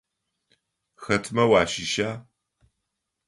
Хэтмэ уащыща?